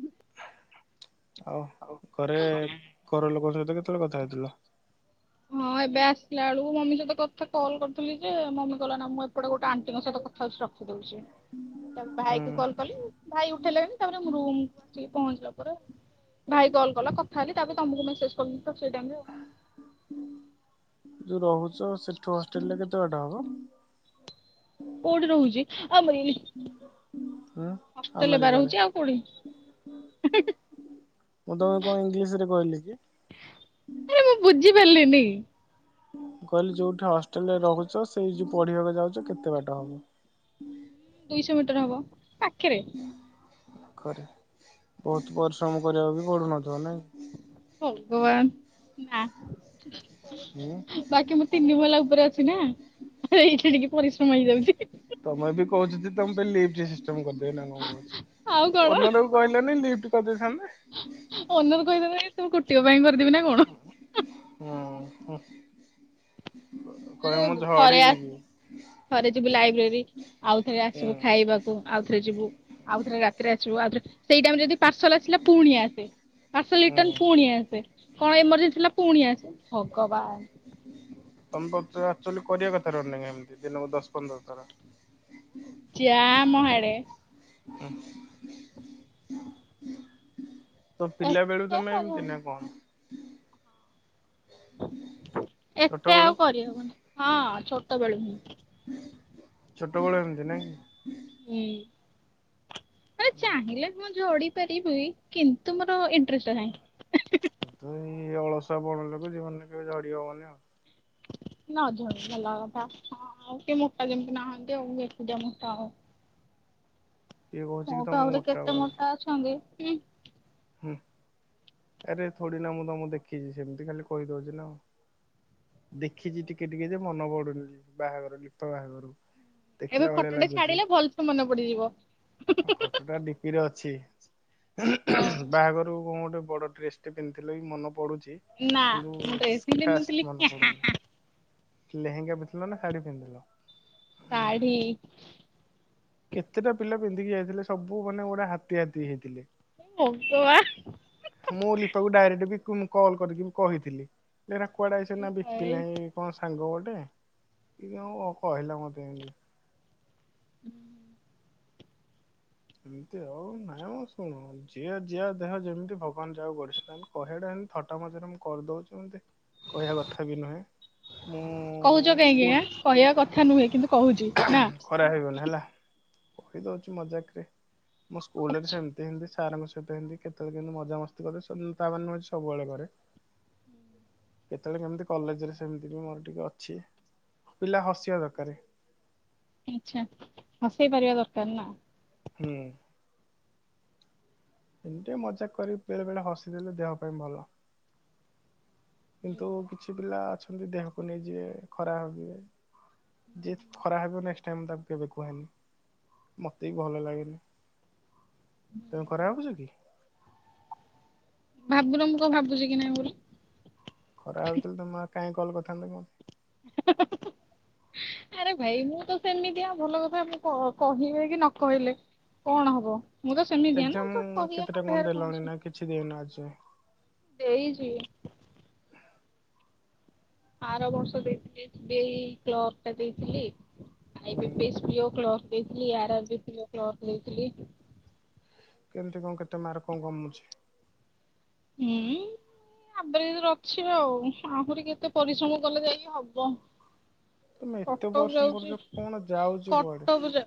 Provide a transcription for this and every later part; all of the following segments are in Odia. ହୁଁ। ଆଉ ଘରେ ଘର ଲୋକଙ୍କ ସହିତ କେତେବେଳେ କଥା ହେଇଥିଲ। ହଁ ଏବେ ଆସିଲା ବେଳକୁ ମୁ ମମି ସହିତ କଥା କଲ୍ କରିଥିଲି ଯେ ମମି କଲ ନା ମୁଁ ଏପଟେ ଗୋଟେ ଆଣ୍ଟିଙ୍କ ସହିତ କଥା ହେଉଛି ରଖୁଛି। ରଖୁଛି। ତାପରେ ହୁଁ ଭାଇ କୁ କଲ କଲି ଭାଇ ଉଠେଇଲାଣି ତାପରେ ରୁମକୁୁ ଆସିକି ପହଞ୍ଚିଲା ପରେ ଭାଇ କଲ୍ କଲା କଥା ହେଲି ତାପରେ ତମକୁ ମେସେଜ କରି ତ ସେଇ ଟାଇମ୍ ରେ ଆଉ। ଯୋଉ ରହୁଛ ସେଠୁ ହଷ୍ଟେଲରେ କେତେ ବାଟ ହବ। କୋଉଠି ରହୁଛି ଆମରିଲି ହୁଁ ହଷ୍ଟେଲରେ ଆମେରିକାରେ ରହୁଛି ଅବା ଆଉ କୋଉଠି? ମୁଁ ତମକୁ କଣ ଇଂଲିଶରେ କହିଲି କି? ଆରେ ମୁଁ ବୁଝିପାରିଲିନି। କହିଲି ଯୋଉଠି ହଷ୍ଟେଲରେ ରହୁଛ ସେଇ ଯୋଉ ପଢ଼ିବାକୁ ଯାଉଛ କେତେ ବାଟ ହବ। ଦୁଇଶହ ମିଟର ହବ ପାଖରେ ପାଖରେ ବହୁତ ପରିଶ୍ରମ କରିବାକୁ ବି ପଡୁନଥିବ ନାଇଁ ଭଗବାନ ନା ହୁଁ ବାକି ମୁଁ ତିନି ମହଲା ଉପରେ ଅଛି ନା ଏଇଠି ଟିକେ ପରିଶ୍ରମ ହେଇଯାଉଛି। ତମେ ବି କହୁଛ ତମେ ନିଜେ କରିଦିଏ କଣ ଓର ଆଉ ବି ଅନ୍ନାଟାକୁ କହିଲେନି ଲିପ୍ଟ କରିଦେଇଥାନ୍ତେ। ଅନା କହିଦେବେ ତ କୁର୍ତ୍ତିକ ପାଇଁ କରିଦେବି ନା କଣ? ହୁଁ। କହିବ ମୁଁ ଝଡ଼ି ଥରେ ଆ ଯିବି। ଥରେ ଯିବୁ ଲାଇବ୍ରେରୀ ଆଉ ଥରେ ହୁଁ ଆସିବୁ, ଖାଇବାକୁ ଆଉ ଥରେ ଯିବୁ ଆଉ ଥରେ ରାତିରେ ଆସିବୁ। ଆସିବୁ ସେଇଟା ଯଦି ପାର୍ସଲ ଆସିଲା ପୁଣି ଆସେ ପାର୍ସଲ ରିଟର୍ନ ହୁଁ। ପୁଣି ଆସେ କଣ ଏମର୍ଜେନ୍ସି ଥିଲା ପୁଣି ଆସେ ଭଗବାନ ତମକୁ ଏକଚୁଆଲି କରିବା କଥା ରନିଂ ଏମିତି ଦିନକୁ ଦଶ ପନ୍ଦର ଥର। ଯା ମହାଡେ ତ ପିଲା ବେଳୁ ଏତେ ତମେ ଏମିତି କରିହବନି ନା କଣ? ଛୋଟ ଏତେ ବେଳୁ ଆଉ କରିହବନି ହଁ ଛୋଟ ବେଳୁ ହିଁ। ଛୋଟବେଳୁ ଏମିତି ନାଇଁ ହୁଁ ଚାହିଁଲେ ମୁଁ ଉଡ଼ି ପାରିବି କିନ୍ତୁ ମୋର ଇଣ୍ଟ୍ରେଷ୍ଟ ନାହିଁ। ଏ ତ ଏଇ ଅଳସା ବଡ଼ ଲୋକ ଜୀବ କେବେ ଝଡ଼ି ହବନି ଆଉ। ନା ଝରୁ ଭଲ କଥା। ଆଉ କିଏ ମୋଟା ଯେମିତି ନାହାନ୍ତି ମୁଁ ଏକୁଟିଆ ମୋଟା ଆଉ। କିଏ କହୁଛି କି ମୋ ଠୁ ତମକୁ ଆଉ କେତେ ବୋଲି। ମୋଟା ଅଛନ୍ତି। ହୁଁ। ହୁଁ ଆରେ ଥୋଡ଼ି ନା ମୁଁ ତମକୁ ମୁଁ ଦେଖିଚି, ସେମିତି ଖାଲି କହିଦଉଚି ନା ଆଉ। ଦେଖିଚି ଟିକେ ଟିକେ ଯେ ମନେ ପଡୁନି ବାହାଘର ଲିପା ବାହାଘରକୁ। ଏବେ ଦେଖିଲା ଭଳିଆ ଫଟୋଟେ ଲାଗୁଛି, ଛାଡିଲେ ଭଲସେ ମନେ ପଡିଯିବ। ଫଟୋଟା ଡିପିରେ ଅଛି। ହଁ ବାହାଘରକୁ କଣ ଗୋଟେ ବଡ଼ ଡ୍ରେସ ଟେ ପିନ୍ଧିଥିଲ କି ମନେ ପଡୁଛି। ଚି ନା କିନ୍ତୁ ମୁଁ ଡ୍ରେସ୍ ହିଁ ପିନ୍ଧି ଖାସ୍ ନଥିଲି ମନେ ପଡୁନି। ଲେହେଙ୍ଗା ପିନ୍ଧିଥିଲ ନା ଶାଢ଼ୀ ପିନ୍ଧିଥିଲ? ଶାଢ଼ୀ। କେତେଟା ପିଲା ପିନ୍ଧିକି ଯାଇଥିଲେ ସବୁ ମାନେ ଗୋଟେ ହାତୀ ହାତୀ ହେଇଥିଲେ। ଭଗବାନ। ମୁଁ ଲିପାକୁ ଡାଇରେକ୍ଟ ବି କଲ କରିକି ମୁଁ କହିଥିଲି। ଏଗୁଡା କୁଆଡ଼େ ଆସିଚନ୍ତି ନା ବିପିନି ଭାଇ କଣ ସାଙ୍ଗ ବୋଲି। ଲି ଇଏ ହଉ କହିଲା ମତେ ଏମିତି। ହୁଁ। ଏମିତି ଆଉ ନାଇଁ ଆ ଶୁଣ ଯିଏ ଯା ଦେହ ଯେମିତି ଭଗବାନ ଯାହାକୁ ଗଢ଼ିଛନ୍ତି କହିବାଟା ଥଟା ମଜାରେ ମୁଁ କରି ଦଉଚି ଏତିମି କହିବା କଥା ବି ନୁହେଁ। ମୁଁ କହୁଚ କାହିଁକି ସ୍କୁଲ ଆଁ କହିବା କଥା ନୁହେଁ କିନ୍ତୁ କହୁଚି ନା? କହି ଦଉଚି ମଜାକ୍ ରେ ମୁଁ ସ୍କୁଲ୍ ରେ ବି ଆଛା ସେମିତି ହିନ୍ଦ ସାରଙ୍କ ସହିତ ଏମିତି କେତେବେଳେ କେମତି ମଜାମସ୍ତି କରେ ସେମ୍ ତି ତା ମାନେ ନୁହଁ କି ସବୁବେଳେ କରେ। କେତେବେଳେ କେମିତି କଲେଜ୍ ରେ ସେମିତି ବି ମୋର ଟିକେ ଅଛି, ପିଲା ହସିବା ଦରକାରେ। ଆଚ୍ଛା ହସେଇ ପାରିବା ଦରକାର୍ ନା? ହୁଁ। ଏମିତି ଟିକେ ମଜାକ୍ କରିକି ବେଳେ ବେଳେ ହସିଦେଲେ ଦେହ ପାଇଁ ଭଲ। କିନ୍ତୁ କିଛି ପିଲା ଅଛନ୍ତି, ଦେହକୁ ନେଇଯିବେ ଖରାପ୍ ଭାବିବେ। ଯିଏ ଖରାପ୍ ଭାବିବ ନେକ୍ଷ୍ଟ୍ ଟାଇମ୍ ମୁଁ ତାକୁ କେବେ କୁହେନି। ମତେ ବି ଭଲ ଲାଗେନି, ତମେ ଖରାପ୍ ଭାବୁଚ କି? ଭାବୁୁନ ମୁଁ କଣ ଭାବୁଚି କି ନାଇଁ ବୋଲି? ଖରାପ୍ ଭାବୁଥିଲେ ତମେ ଆଉ କାହିଁକି କଲ୍ କରିଥାନ୍ତ କି ମୋତେ? [unintelligible] ଆରେ ଭାଇ ମୁଁ ତ ସେମିତିଆ ଭଲ କଥା ମୁଁ କହ କହି ଦେଇକି ନ କହିଲେ କଣ ହବ? ମୁଁ ତ ସେମିତିଆ ନା ଏକ୍ଜାମ ତ କହିବା କେତେଟା କଥାରେ କଣ ଦେଲଣି ନା ଅଛି। କିଛି ଦେଇନ ଆଜି ଯାଏଁ ଏଇ ଜି। ଆର ବର୍ଷ ଦେଇଥିଲି ଡି ଆଇ କ୍ଲର୍କ ଟା ଦେଇଥିଲି। ଆଇ ବି ହୁଁ। P S P O clerk ଦେଇଥିଲି, R R B P O clerk ଦେଇଥିଲି। କେମିତି କଣ କେତେ ମାର୍କ କଣ କମୁଛି? ହୁଁ। ଆଭ୍ରେଜ୍ ରଖିବ ଆଉ ଆହୁରି କେତେ ପରିଶ୍ରମ କଲେ ଯାଇକି ହବ। ତମେ ଏତେ କଟକ ପରିଶ୍ରମ କରୁଛ ଯାଉଚି, କଣ ଯାଉଛି କୁଆଡେ କଟକ ଯା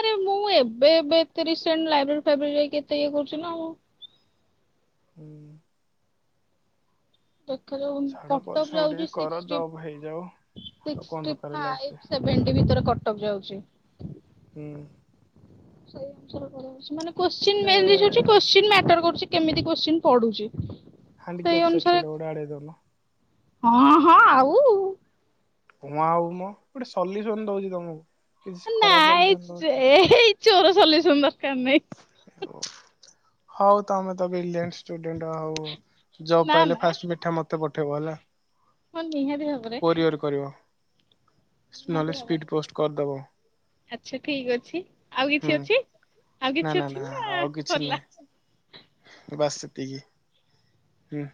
ଆରେ ମୁଁ ଏବେ ଏବେ ଏତେ ରିସେଣ୍ଟଲି ଲାଇବ୍ରେରୀ ଫ୍ରାଇବ୍ରେରି ଯାଇକି ଏତେ ଇଏ କରୁଚି ନା ଆଉ। ହୁଁ। ଦେଖା ଯାଉ ଛାଡ କଟ ଅପ୍ ପରିଶ୍ରମ ଯାଉଚି ଟିକେ କର ସିକ୍ସ୍ଟି। ଜବ୍ ହେଇଯାଉ ଆଉ କଣ ସିକ୍ଷ୍ଟି ଦରକାର ଲାଇଫରେ ଫାଇବ ସେଭେନ୍ଟି ଭିତର କଟ ଅପ୍ ଯାଉଚି। ହୁଁ। ସେଇ ଅନୁସାରେ କରିବାର ଅଛି, ଗୋଟେ କୋତ୍ସିନ୍ ମେଟର କରୁଚି କେମିତି କୋତ୍ସିନ୍ ପଡ଼ୁଚି। [unintelligible] ହଁ ହଁ ଆଉ। କଣ ଆଉ ମ, ଗୋଟେ ସଲ୍ୟୁସନ୍ ଦଉଚି ତମକୁ, କିଛି ଖରାପ୍ ସଲ୍ୟୁସନ୍ ନାଇଁ ଦଉଛି କି? ଏଇ ଚୋର ସଲ୍ୟୁସନ୍ ଦରକାର ନାହିଁ। ହଉ ତମେ ତ ବ୍ରିଲ୍ୟାଣ୍ଟ ଷ୍ଟୁଡେଣ୍ଟ୍ ହଉ ଜବ୍ ନା ପାଇଲେ ନା ଫାଷ୍ଟ ମିଠା ମତେ ପଠେଇବ ହେଲା। ହଁ ନିହାତି ଭାବରେ। କୋରିଅର କରିବ। ନିହାତି ଭାବରେ [unintelligible] ଆଚ୍ଛା ଠିକ୍ ଅଛି ଆଉ ହୁଁ କିଛି ଅଛି? ଆଉ ନା କିଛି ଅଛି ନା ଆଉ କିଛି ସରିଲା? ନାହିଁ। ବାସ୍ ସେତିକି ହୁଁ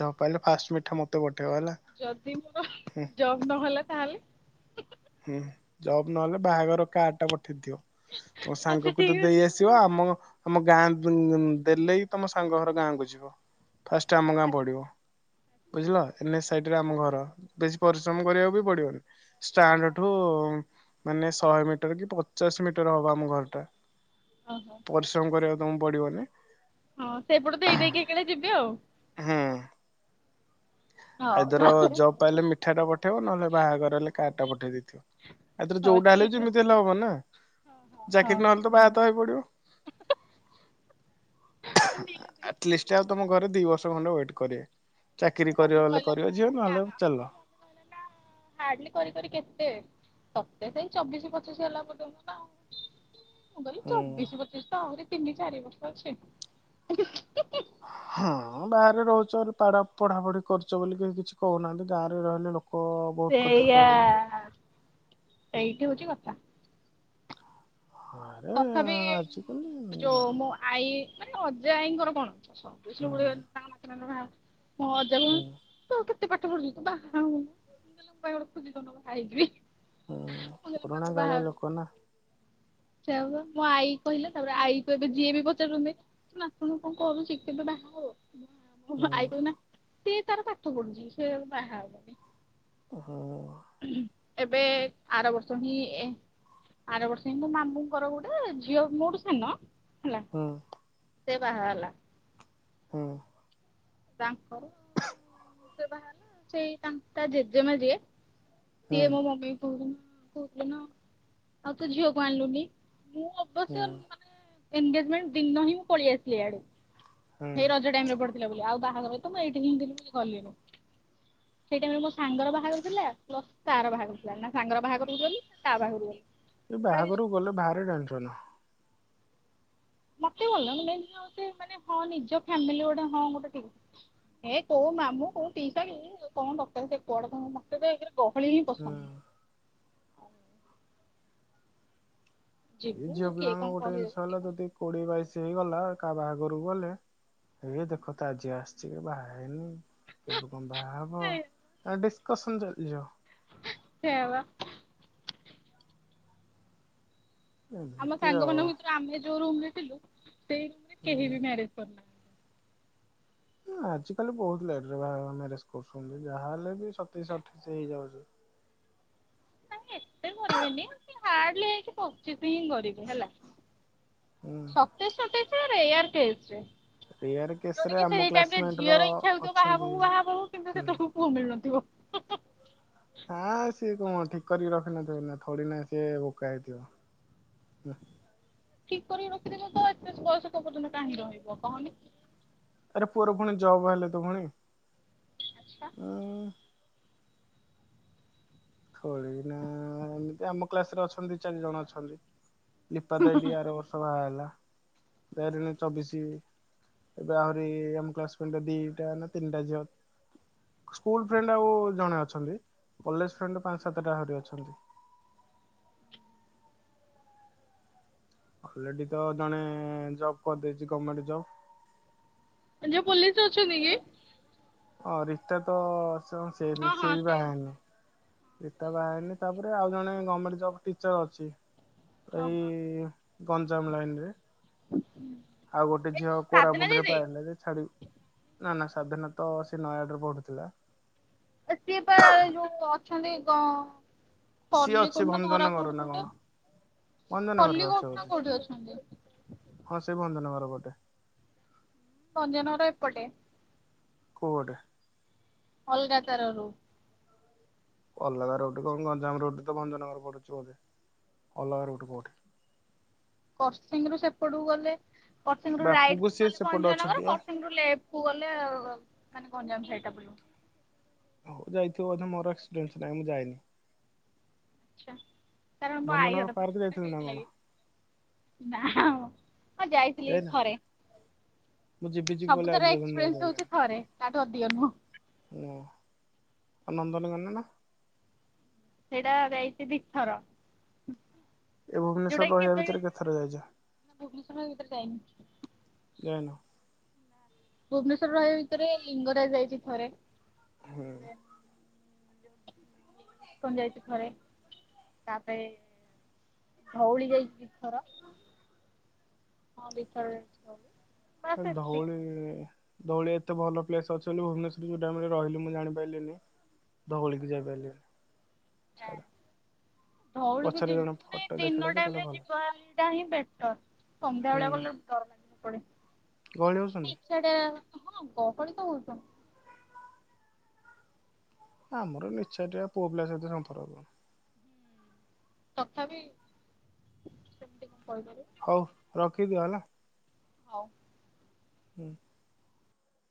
ଜବ୍ ପାଇଲେ ଫାଷ୍ଟ ମିଠା ମତେ ପଠେଇବ। ହେଲା ଯଦି ମୋହ୍ ହୁଁ। ଜବ୍ ନହେଲା ତାହାଲେ? ହୁଁ ଜବ୍ ନହେଲେ ବାହାଘର କାର୍ଡ ପଠେଇ ଦେଇ। ଥିବ ତମ ଆଚ୍ଛା ସାଙ୍ଗକୁ ତ ଠିକ ଦେଇ ଅଛି ଆସିବ ଆମ ଗାଁ କୁ ଦେଲେବି ତମ ସାଙ୍ଗ ଘର ଗାଁ କୁ ଯିବ। ଫାଷ୍ଟେ ଆମ ଗାଁ ପଡିବ। ବୁଝିଲ? ଲେପ୍ ସାଇଡ୍ ରେ ଆମ ଘର ବୁଝିପାରୁଚ? ରେମୁବ୍ କରିବାକୁ ବି ପଡ଼ିବନି। ଷ୍ଟାଣ୍ଡ - ଠୁ ମାନେ ଶହେ ମିଟର କି ପଚାଶ ମିଟର ହବ ଆମ ଘର ଟା। ଓହୋ ପରିଶ୍ରମ କରିବାକୁ ତମକୁ ପଡିବନି। ହଁ ସେଇ ପଟେ ଦେଇ ଦେଇକି ଏକା ବେଳେ ଯିବି ଆଉ। ହୁଁ। ହଉ ଆଇଦର ତାହେଲେ ଜବ୍ ପାଇଲେ ମିଠା ଟା ପଠେଇବ ନହେଲେ ବାହାଘର ହେଲେ କାରଟା ପଠେଇ ଦେଇଥି ଆଉଥରେ ହଉ ଯୋଉଟା ହେଲେ ଠିକ ବି ଅଛି ଯେମିତି ହେଲେ ହବ ନା! ହଁ ହଁ ଚାକିରି ନହେଲେ ତ ବାହାତ ହେଇପଡିବ। ହଁ ନିହାତି ଆଟଲିଷ୍ଟ ଆଉ ତମ ଘରେ ଦି ବର୍ଷ ଖଣ୍ଡେ ୱେଟ୍ କରିବେ। ମୋ ଚାକିରିୀ ମମି କର ବଲେ କହିଲା କରିବା ନା ଝିଅ ନା ନହେଲେ ନା ଚାଲ ମୋ ମମି କହିଲା ନା ହାର୍ଡଲି କରି କରି କେତେ? ସତେ ସେଇ ଚବିଶି ପଚିଶି ହେଲା ପର୍ଯ୍ୟନ୍ତ ନା ଆଉ ମୁଁ କହିଲି ହଁ ଚବିଶି ପଚିଶ ତ ଆହୁରି ତିନି ଚାରି ବର୍ଷ ଅଛି। ବାହାରେ ରହୁଛ ପଢାପଢି କରୁଛ ବୋଲି କେହି କିଛି କହୁନାହାନ୍ତି ଗାଁରେ ରହିଲେ ଲୋକ ବହୁତ କଥା ସେଇଆା କହିବେ। ସେଇଠି ହଉଛି କଥା। ଆରେ ତଥାପି ଆଜିକାଲି ହୁଁ ଯୋଉ ମୋ ଆଈ ମାନେ ଅଜୟ ଆଇଙ୍କର କଣ ହୁଁ ହଁ ଯ [inaudible] କେତେ ପାଠ ପଢିଲୁ ତୁ ବାହା [inaudible] ଖୋନ ବାହା ହେଇକି ହୁଁ ପୁରୁଣା କାଳିଆ ଲୋକନା ସେ ମୋ ଆଈ କହିଲା ତାପରେ ଆଈ କ ଏବେ ଯିଏ ବି ପଚାରୁଛନ୍ତି ଆପଣଙ୍କୁ କଣ କରୁଛି ସେ କେବେ ବାହାଘ ହୁଁ ଭାଇ ନା ସଏ ତାର ପାଠ ପଢୁଛି ସେ ବାହା ହବନି [inaudible] ଏବେ ଆର ବର୍ଷ ହିଁ ଆର ବର୍ଷ ହିଁ ତ ମାମୁଁ ର ଗୋଟେ ଝିଅ ମୋଠୁ ସାନ ହେଲା ହଁ। ସେ ବାହାହେଲା। ହୁଁ। ତାଙ୍କ ସେଇ ତା ଜେଜେମା ଯିଏ ହୁଁ ସିଏ ମୋ ମମି କହୁଛନ୍ତି ହ କହୁଥିଲି ନା ଆଉ ତୁ ଝିଅକୁ ଆଣିଲୁନି ମୁଁ ହୁଁ ଅବଶ୍ୟ ମାନେ ଏନଗେଜମେଣ୍ଟ ଦିନ ହିଁ ମୁଁ ପଳେଇ ଆସିଲି ଆଡେ ହୁଁ ସେ ରଜ ଟାଇମରେ ପଡିଥି ଥିଲା ବୋଲି ଆଉ ବାହାଘର ତ ମୁଁ ଏଇଠି କିଛି କଲିନି ସେଇଟାଇରେ ମୋ ସାଙ୍ଗର ବାହାଘର ଥିଲା ପ୍ଲସ ତା ର ବାହାଘର ଥିଲା ନା ସାଙ୍ଗର ବାହାଘରକୁ ଗଲି ନା ତା ବାହାଘକୁ ଗଲି। ଏ ପଳେଇ ବାହାଘରକୁ ଗଲେ ବାହାରେ ଟେନସନ ମତେ ଭଲ ମ ହଉ ମାନେ ହଁ ନିଜ ଫ୍ୟାମିଲି ଗୋଟେ ହଁ ଗୋଟେ ଏ କୋଉ ମାମୁଁ କୋଉ ପିଇସା କି କଣ ଡଟର ସେ କୁଆଡେ କ ମତେ ଗହଳି ହିଁ ହୁଁ ପସନ୍ଦ।। ଏଇ ଯିବୁ ଝିଅ କିଏ ପିଲାଙ୍କ କଣ ଗୋଟେ କହିଦେବ ଜିନିଷ କିଏ ହେଲା କଣ ଯଦି କୋଡିଏ ବାଇଶି ହେଇଗଲା। କା ବାହାଘରକୁ ଗଲେ ଏ ଦେଖ ତା ଝିଅ ଆସିଛି ବାହା ହେଇନି କେବେ କଣ ବାହା ହବ ଡିସକସନ ଚାଲିଛି ସେଇୟା ବା। ଆମ ଏମିତି ସାଙ୍ଗ ଆଉ ମାନଙ୍କ ଭିତରୁ ଆମେ ଯୋଉ ରୁମ ରେ ଥିଲୁ ସେଇ ରୁମରେ କେହି ହୁଁ। ବି ମ୍ୟାରେଜ କରୁନାହାନ୍ତି। ଆଜିକାଲି ବହୁତ ଲେଟରେ ବା ମ୍ୟାରେଜ କରୁଛନ୍ତି ଯାହାହଲେ ବି ସତେଇଶ ଅଠେଇଶ ହେଇଯାଉଛି। ହ ନାଇଁ ଏତେ କରିବେନି ସେ ହାର୍ଡଲି ହେଇକି ପଚ କରିବେ ହେଲା ହୁଁ ସତେଈଶ ଅଠେଇଶ ରେୟାର କେଶ ରେ। ରେୟାର କେସ ରେ ଯୋଉଠି କିି ଆମ ସେଇ ଟାଇମ ରେ କ୍ଲାସମେଟ ର ଝିଅର ଇଚ୍ଛା ହଉଥିବ ବାହା ଅଛନ୍ତି ବୋହୁ ବାହା ବୋହୁ କିନ୍ତୁ ସେ ହୁଁ। ତକୁ ପୁଅ ମିଳୁନଥିବ। ଆସ୍ ସିଏ କଣ ଠିକ କରିକି ରଖିିନଥିବ ନା ଥୋଡି ନା ସିଏ ବୋକା ହେଇଥିବ? ଠିକ କରିକି ରଖିଦେବ ତ ଏତେ ବୟସକ ପର୍ଯ୍ୟନ୍ତ କାହିଁଁ ରହିବ କହନି? ଆରେ ପୁଅର ପୁଣି ଜବ ହେଲେ ତୋ ଫୁଣି ଆଚ୍ଛା ଉୁଁ। ଖଳିକିନା ଏମିତି ଆମ କ୍ଲାସ ରେ ଅଛନ୍ତି ଚାରି ଜଣ ଅଛନ୍ତି। ଦିପା ତ ଏଠି ଆର ବର୍ଷ ବାହା ହେଲା ଯଣ ଚବିଶି ଏବେ ଆହୁରି ଆମ୍ କ୍ଲାସ ତିନିଟା ଦିଇଟା ନା ତିନିଟା। ସ୍କୁଲ ଫ୍ରେଣ୍ଡ ଆଉ ଜଣେ ଅଛନ୍ତି, କଲେଜ ଫ୍ରେଣ୍ଡ ପାଞ୍ଚ, ସାତଟା ଆହୁରି ଅଛନ୍ତି। ଅଲରେଡି ତ ଜଣେ ଜବ କରିଦେଇଛି ଗମେଣ୍ଟ ଜବ। ଆ, ଯଉ ପୋଲିସ ଅଛନ୍ତି କି? ହଁ, ରିତା ତ ସେ-ବି ହଁ ହଁ ସେ-ବି ସେ ବାହା ହେଇନି। ରୀତା ବାହା ହେଇନି। ତାପରେ ଆଉ ଜଣେ ଗମେଣ୍ଟ ଜବ ଟିଚର ଅଛି। ଓହୋ ଏଇ ଗଞ୍ଜାମ ଲାଇନ ରେ। ଆଉ ଗୋଟେ ଏଇ ଝିଅ ଯୋଉ ସାଧନା କୋରାପୁଟ ରେ ଦିଦି ପାଇଲା, ଯେ ଛାଡିବ ନା ନା ସାଧୀନତ ସେ ନୟାଗଡରେ ପଢୁଥିଲା। ସିଏ ପା ଯୋଉ ଅଛନ୍ତି, ଗ ସିଏ ଅଛି ଭଞ୍ଜନଗର ନା କୋଉଟେ କଣ? ଭଞ୍ଜନଗର ଖଲି ରେ କୋଟ ଅଛ ନା ବୋଧେ ସିଏ। କୋଉଠି ଅଛନ୍ତି ହଁ, ସେ ଭଞ୍ଜନଗର। ଗୋଟେ। ଭଞ୍ଜନଗର ଏପଟେ। କୁଆଡେ? ଅଲଗା ତାର ରୁ ଅଲଗା ରୋଡ କଣ, ଗଞ୍ଜାମ ରୋଡ ତ ଭଞ୍ଜନଗର ପଡୁଛି ବୋଧେ। ଅଲଗା ରୋଟ କୋଉଠି? କରସିଂ ରୁ ସେପଟକୁ ଗଲେ କରସିଂ ରୁ ରାଇଟ ବାପୁକୁ କୁ ସିଏ ଗଲେ ସେପଟେ ଅଛନ୍ତି ଭଞ୍ଜନଗର, ବା କରସିଂ ରୁ ଲେଫ୍ଟ କୁ ଗଲେ ମାନେ ଗଞ୍ଜାମ ସାଇଡ୍ ଟା ପଡିବ। ହଉ, ଯାଇଥିବ ବୋଧେ। ମୋର ଏକ୍ସପ୍ରେନ୍ସ ନାହିଁ, ମୁଁ ଯାଇନି। କାରଣ ମୋ ଭଞ୍ଜନଗର ପାର୍କ ଯାଇଥିଲୁ ନା କଣ ଆଈ [unintelligible] ହଁ, ଯାଇଥିଲି ଯାଇନା ଥରେ। ମୁଁ ଯିବି ଯିବି ବୋଲି ଆଜି ସବୁଥର ପର୍ଯ୍ୟନ୍ତ ଏକ୍ସପ୍ରେନ୍ସ ହଉଛି ଥରେ। ତାଠୁ ଅଧିକ ନୁହଁ। ହ, ନନ୍ଦନ ନଗର ନା? ସେଇଟା ଯାଇଛି ଦିଥର। ଏ ଭୁବନେଶ୍ୱର ଯୋଉଟା କି, ରହିବା କେବେ ଭିତରେ କେତେଥର ଯାଇଛ ଭୁବନେଶ୍ୱର ଭିତରେ ଯାଇନି। ଯାଇନ। ଭୁବନେଶ୍ୱର ରହିବା ଭିତରେ, ଲିଙ୍ଗରାଜ ଯାଇଛି ଥରେ। ହୁଁ ଇସ୍କନ ଯାଇଛି ଥରେ। ତାପରେ ଧଉଳୀ ଯାଇଛି ଦି ଥର। ହଁ, ଦିଥର ଯାଇଛି ଧଉଳି। ହ, ବାସ୍ ଏତିକି। ଧଉଳି ଦଉଳି ଏତେ ଭଲ ପ୍ଲେସ ଅଛି ବୋଲି, ଭୁବନେଶ୍ୱରରେ ଯୋଉ ଟାଇମରେ ରହିଲି, ମୁଁ ଜାଣିପାରିଲିନି। ଧଉଳି କୁ ଯାଇପାରିଲିନି, ଛାଡ଼। ଧଉଳିକୁ ଯିବିନିମାନେ, ଦିନ ଦେଖିଲା ଯେ ଟାଇମ କହିଲା ରେ ଭଲ ଯିବା ଟା ହିଁ ବେଟର। ସନ୍ଧ୍ୟା ହୁଁ ବେଳେ ଗଲେ ଡର ଲାଗିବ ପୁଣି, ଗହଳି ହଉଛନ୍ତି? ନାଇଁ ସେଠି ହଁ। ଗହଳିତ ବହୁତ। ଆମର ନିଛାଟିଆ ପୁଅ ପିଲା ସହିତ ସମ୍ପର୍କ କଣ? ତଥାପି, ସେମିତି କଣ କହିବ? ହଉ, ରଖିଦିଅ ହେଲା। ହଉ। ହୁଁ।